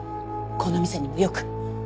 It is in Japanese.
この店にもよく。